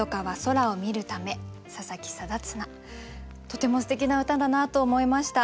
とてもすてきな歌だなと思いました。